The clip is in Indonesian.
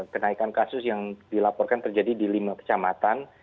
kenaikan kasus yang dilaporkan terjadi di lima kecamatan